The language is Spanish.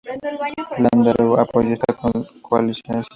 Landaburu apoyó esta coalición.